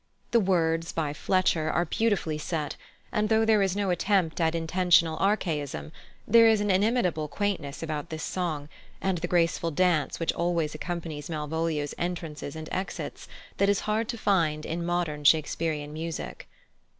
The words, by Fletcher, are beautifully set; and though there is no attempt at intentional archaism, there is an inimitable quaintness about this song, and the graceful dance which always accompanies Malvolio's entrances and exits, that is hard to find in modern Shakespearian music.